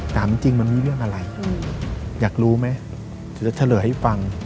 ถามจริงมันมีเรื่องอะไรอยากรู้ไหมเดี๋ยวเฉลยให้ฟัง